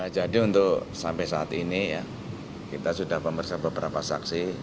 jadi untuk sampai saat ini ya kita sudah mempersiapkan beberapa saksi